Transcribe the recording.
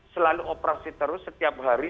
selalu operasi terus setiap hari